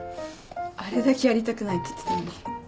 あれだけやりたくないって言ってたのに。